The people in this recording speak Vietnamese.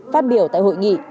phát biểu tại hội nghị